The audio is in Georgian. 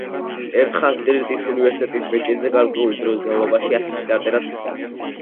ერთხანს ტრირის უნივერსიტეტის ბეჭედზე გარკვეული დროის განმავლობაში ასეთი წარწერაც იყო.